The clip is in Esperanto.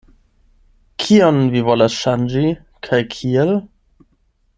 Kion vi volas ŝanĝi kaj kiel?